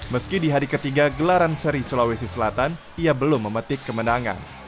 meski di hari ketiga gelaran seri sulawesi selatan ia belum memetik kemenangan